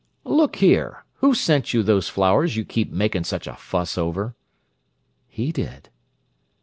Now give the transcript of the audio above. "Look here! Who sent you those flowers you keep makin' such a fuss over?" "He did."